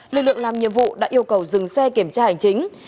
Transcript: lực lượng làm nhiệm vụ đã yêu cầu dừng xe kiểm tra hành chính